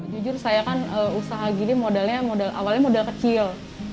jujur saya kan usaha gini awalnya modal kecil